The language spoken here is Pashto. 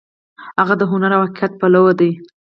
هغه د هنر او حقیقت پلوی دی.